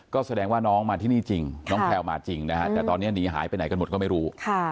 ก็แสดงว่าน้องมาที่นี่จริงน้องแพลวมาจริงนะฮะแต่ตอนนี้หนีหายไปไหนกันหมดก็ไม่รู้